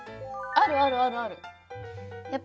あるあるあるある！